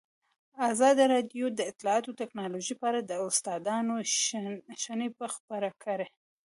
ازادي راډیو د اطلاعاتی تکنالوژي په اړه د استادانو شننې خپرې کړي.